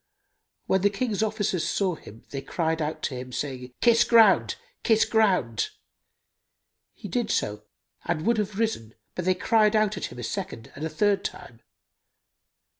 When the King's officers saw him, they cried out to him, saying, "Kiss ground! Kiss ground!"[FN#298] He did so and would have risen, but they cried out at him a second and a third time.